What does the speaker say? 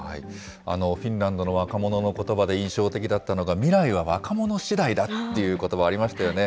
フィンランドの若者のことばで印象的だったのが、未来は若者しだいだっていうことばありましたよね。